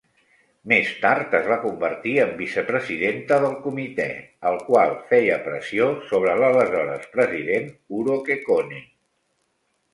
Més tard es va convertir en vicepresidenta del comitè, el qual feia pressió sobre l'aleshores president Urho Kekkonen.